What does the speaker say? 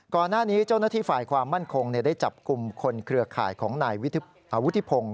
ก่อนหน้านี้เจ้าหน้าที่ฝ่ายความมั่นคงได้จับกลุ่มคนเครือข่ายของนายวุฒิพงศ์